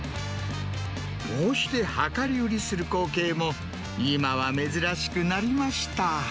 こうして量り売りする光景も今は珍しくなりました。